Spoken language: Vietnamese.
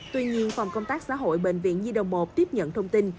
tuy nhiên phòng công tác xã hội bệnh viện nhi đồng một tiếp nhận thông tin